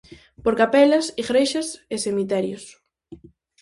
Por capelas, igrexas e cemiterios.